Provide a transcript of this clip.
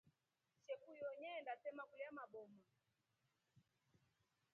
Shekuyo nyaenda tema kulya mboma.